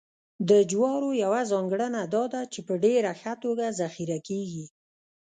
د جوارو یوه ځانګړنه دا ده چې په ډېره ښه توګه ذخیره کېږي